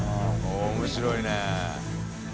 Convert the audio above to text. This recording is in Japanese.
面白いね。